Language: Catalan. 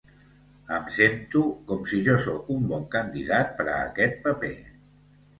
Em sento com si jo sóc un bon candidat per a aquest paper.